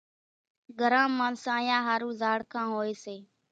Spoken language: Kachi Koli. گھران مان سانيا ۿارُو زاڙکان هوئيَ سي۔